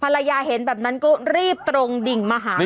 เห็นแบบนั้นก็รีบตรงดิ่งมาหา